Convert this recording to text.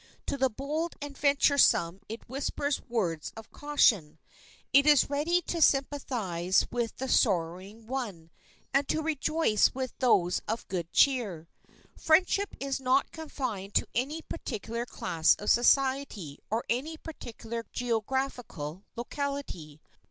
To the bold and venturesome it whispers words of caution. It is ready to sympathize with the sorrowing one, and to rejoice with those of good cheer. Friendship is not confined to any particular class of society or any particular geographical locality.